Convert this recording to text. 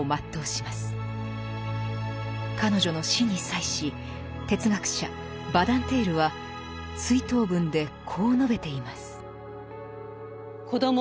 彼女の死に際し哲学者バダンテールは追悼文でこう述べています。